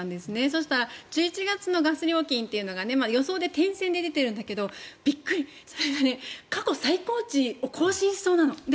そしたら１１月のガス料金が予想で点線で出ているんだけどびっくり、それが過去最高値を更新しそうなの。